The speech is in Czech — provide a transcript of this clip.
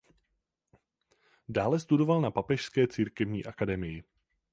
Dále studoval na Papežské církevní akademii.